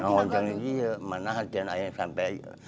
nah awalnya di mana hati ayahnya sampai